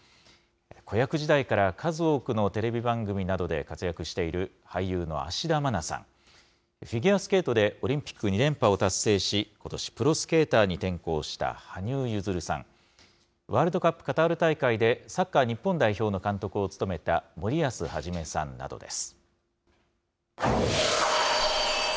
子役時代から数多くのテレビ番組などで活躍している、俳優の芦田愛菜さん、フィギュアスケートでオリンピック２連覇を達成し、ことしプロスケーターに転向した羽生結弦さん、ワールドカップカタール大会でサッカー日本代表の監督を務めた森保一さんなどです。